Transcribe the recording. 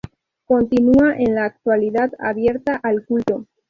Continua en la actualidad abierta al culto.